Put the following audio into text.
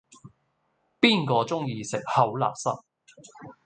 邊個鐘意食口立濕